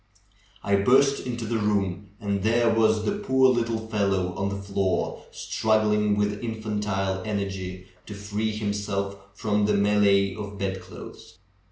I burst into the room and there was the poor little fellow on the floor, strug gling with infantile energy to free himself from the melee of bedclothes.